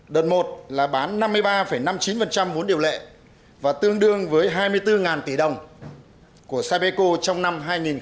đợt một là bán năm mươi ba năm mươi chín vốn điều lệ và tương đương với hai mươi bốn tỷ đồng của cpeco trong năm hai nghìn một mươi chín